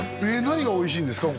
何がおいしいんですか？